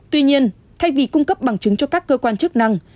tuy nhiên thay vì cung cấp bằng chứng cho các cơ quan chức năng